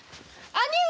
兄上‼